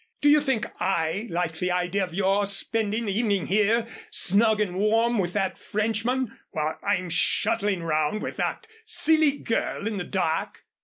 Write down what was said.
Do you think I like the idea of your spending the evening here snug and warm with that Frenchman while I'm shuttling around with that silly girl in the dark?"